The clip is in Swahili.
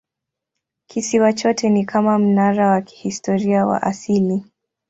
Kisiwa chote ni kama mnara wa kihistoria wa asili.